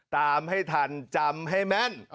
ตามให้ทันจำให้แม่น